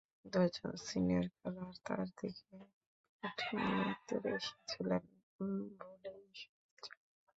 দুজন সিনিয়র খেলোয়াড় তাঁর দিকে ব্যাট নিয়ে তেড়ে এসেছিলেন বলেই শোনা যায়।